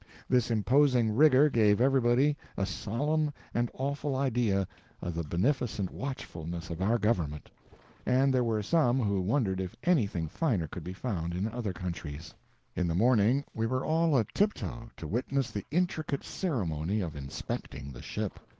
This imposing rigor gave everybody a solemn and awful idea of the beneficent watchfulness of our government, and there were some who wondered if anything finer could be found in other countries. In the morning we were all a tiptoe to witness the intricate ceremony of inspecting the ship.